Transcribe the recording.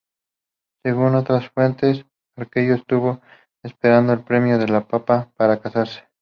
Según otras fuentes, Argüello estuvo esperando el permiso del Papa para casarse.